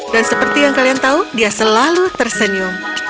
dan seperti yang kalian tahu dia selalu tersenyum